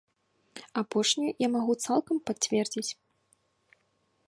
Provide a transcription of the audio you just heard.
Апошняе я магу цалкам пацвердзіць.